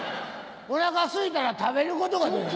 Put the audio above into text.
おなかすいたら食べることができる。